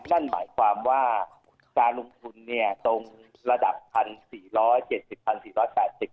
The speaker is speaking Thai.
นั่นหมายความว่าการลงทุนเนี้ยตรงระดับพันสี่ร้อยเจ็ดสิบพันสี่ร้อยสามสิบ